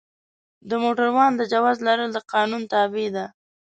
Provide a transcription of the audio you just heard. د موټروان د جواز لرل د قانون تابع ده.